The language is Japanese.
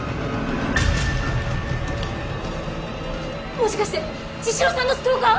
もしかして茅代さんのストーカー！？